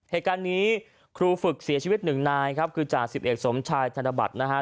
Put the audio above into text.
เหตุการณ์นี้ครูฝึกเสียชีวิตหนึ่งนายครับคือจ่าสิบเอกสมชายธนบัตรนะฮะ